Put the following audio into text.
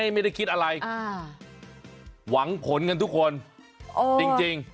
ไม่ได้คิดอะไรหวังผลกันทุกคนจริง